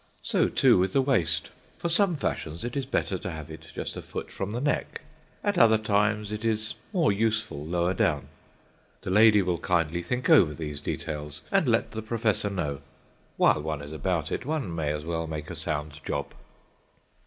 So, too, with the waist. For some fashions it is better to have it just a foot from the neck. At other times it is more useful lower down. The lady will kindly think over these details and let the professor know. While one is about it, one may as well make a sound job.